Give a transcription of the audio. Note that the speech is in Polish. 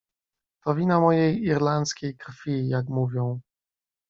"To wina mojej irlandzkiej krwi, jak mówią."